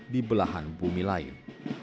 di belahan bumi lain